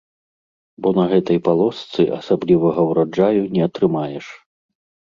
Бо на гэтай палосцы асаблівага ўраджаю не атрымаеш.